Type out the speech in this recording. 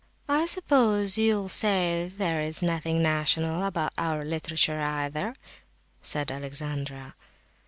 "I suppose you'll say there is nothing national about our literature either?" said Alexandra.